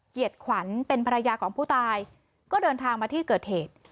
เกียรติขวัญเป็นภรรยาของผู้ตายก็เดินทางมาที่เกิดเหตุ